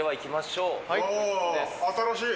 新しい。